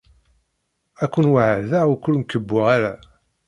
Ad ken-weɛdeɣ ur ken-kebbuɣ ara.